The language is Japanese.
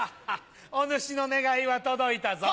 お主の願いは届いたぞ。